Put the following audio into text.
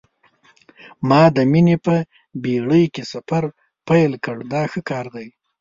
ما د مینې په بېړۍ کې سفر پیل کړ دا ښه کار دی.